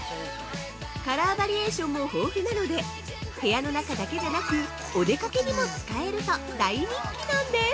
カラーバリエーションも豊富なので部屋の中だけじゃなくお出かけにも使えると大人気なんです！